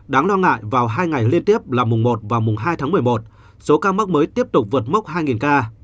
đáng lo ngại vào hai ngày liên tiếp là mùng một và mùng hai tháng một mươi một số ca mắc mới tiếp tục vượt mốc hai ca